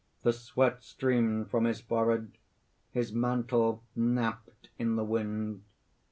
The sweat streamed from his forehead; his mantle napped in the wind.